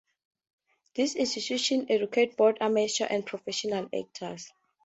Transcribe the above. The institution educates both amateur and professional actors.